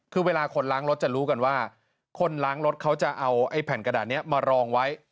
คือเวลาคนล้างรถจะรู้กันว่าคนล้างรถเขาจะเอาไอ้แผ่นกระดาษนี้มารองไว้